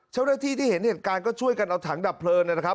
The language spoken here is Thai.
เจ้าหน้าที่ที่เห็นเหตุการณ์ก็ช่วยกันเอาถังดับเพลิงนะครับ